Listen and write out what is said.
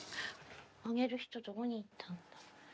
あげる人どこに行った？